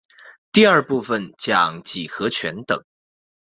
第二部份讲几何全等。